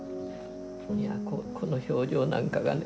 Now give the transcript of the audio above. この表情なんかがね